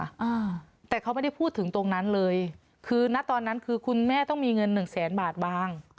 อ่าแต่เขาไม่ได้พูดถึงตรงนั้นเลยคือณตอนนั้นคือคุณแม่ต้องมีเงินหนึ่งแสนบาทบาง